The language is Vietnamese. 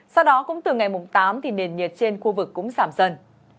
sau đó cũng từ ngày tám thì nền nhiệt trên khu vực cũng giảm dần